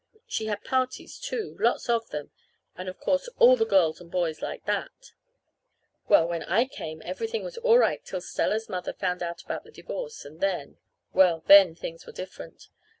She had parties, too lots of them; and of course, all the girls and boys liked that. Well, when I came everything was all right till Stella's mother found out about the divorce, and then well, then things were different.